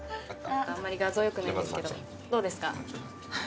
あんまり画像良くないですけどどうですか？